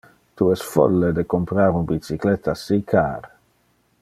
Tu es folle de comprar un bicycletta si car.